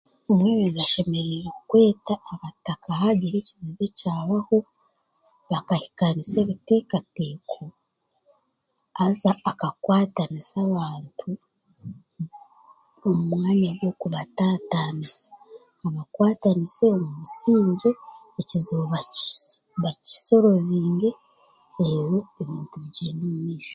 Omwebemebezi ashemereire kweeta abataka hagira ekirabe kyabaho bakahikaniisa ebitekateeko haza akakwataniisa abaantu omu mwanya gw'okubatatanisa, abakwataniise, omubusingye, ekizibu baki solvinge reero ebintu bigyende omumaisho.